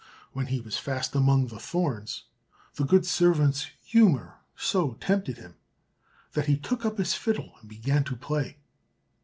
When he was fast among the thorns, the good servant's humor so tempted him that he took up his fiddle and began to play.